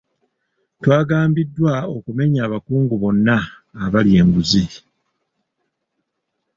Twagambiddwa okumenya abakungu bonna abalya enguzi.